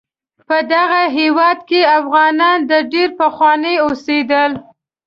په دغه هیواد کې افغانان د ډیر پخوانه اوسیدل